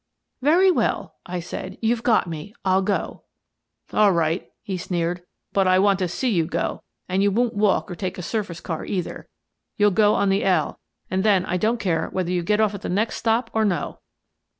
" Very well," I said, " you've got me. I'll go." " All right," he sneered, " but I want to see you go — and you won't walk or take a surface car, either. You'll go on the L, and then I don't care whether you get off at the next stop or no."